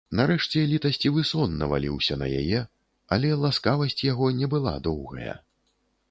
Нарэшце літасцівы сон наваліўся на яе, але ласкавасць яго не была доўгая.